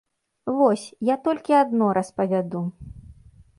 Вось, я толькі адно распавяду.